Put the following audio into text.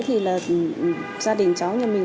thì là gia đình cháu nhà mình